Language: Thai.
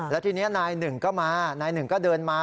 แล้วทีนี้นายหนึ่งก็มานายหนึ่งก็เดินมา